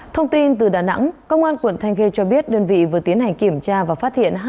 thông tin từ đà nẵng công an quận thanh khê cho biết đơn vị vừa tiến hành kiểm tra và phát hiện